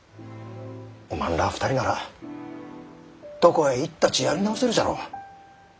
おまんらあ２人ならどこへ行ったちやり直せるじゃろう。